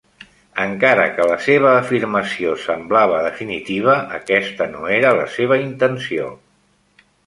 Encara que la seva afirmació semblava definitiva, aquesta no era la seva intenció.